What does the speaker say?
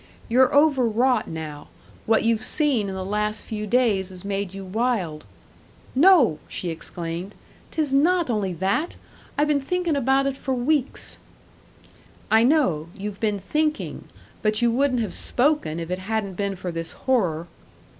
You're over wrought now, what you've seen in the last few days has made you wild " "No!" she exclaimed. "'Tis not only that! I been thinkin' about it for weeks." "I know. You've been thinking, but you wouldn't have spoken if it hadn't been for this horror."